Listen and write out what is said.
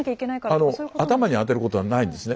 あの頭にあてることはないんですね。